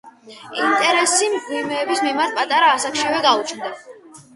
ინტერესი მღვიმეების მიმართ პატარა ასაკშივე გაუჩნდა.